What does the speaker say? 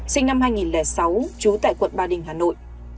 sinh năm hai nghìn sáu trú tại quận ba đình hà nội